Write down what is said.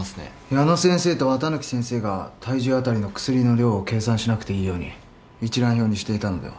矢野先生と綿貫先生が体重あたりの薬の量を計算しなくていいように一覧表にしていたのでは？